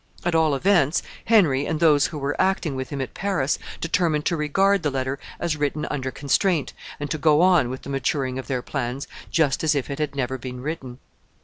At all events, Henry, and those who were acting with him at Paris, determined to regard the letter as written under constraint, and to go on with the maturing of their plans just as if it had never been written.